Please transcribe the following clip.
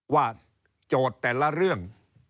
โจทย์แต่ละเรื่อง